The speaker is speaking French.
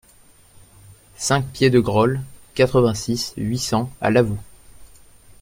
cinq piedegrolle, quatre-vingt-six, huit cents à Lavoux